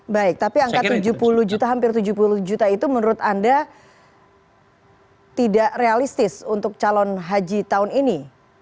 baik tapi angka tujuh puluh juta hampir tujuh puluh juta itu menurut anda tidak realistis untuk calon haji tahun ini